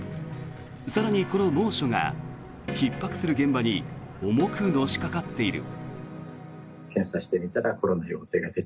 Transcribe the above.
更にこの猛暑がひっ迫する現場に重くのしかかっている。